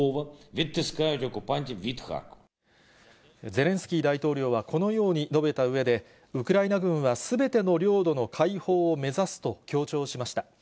ゼレンスキー大統領はこのように述べたうえで、ウクライナ軍はすべての領土の解放を目指すと強調しました。